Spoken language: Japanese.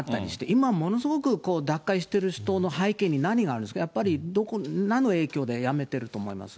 今ものすごく、脱会してる人の背景に何があるんですか、やっぱりなんの影響でやめてると思います？